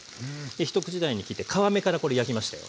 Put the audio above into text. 一口大に切って皮目からこれ焼きましたよ。